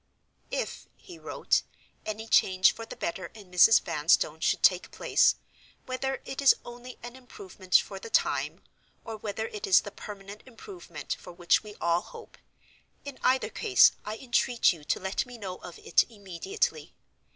"If," he wrote, "any change for the better in Mrs. Vanstone should take place—whether it is only an improvement for the time, or whether it is the permanent improvement for which we all hope—in either case I entreat you to let me know of it immediately.